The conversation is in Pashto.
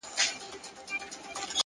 علم د پرمختګ لارې جوړوي،